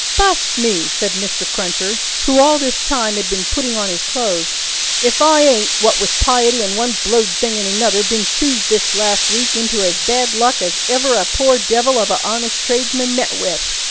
B u u ust me!" said Mr. Cruncher, who all this time had been putting on his clothes, "if I ain't, what with piety and one blowed thing and another, been choused this last week into as bad luck as ever a poor devil of a honest tradesman met with!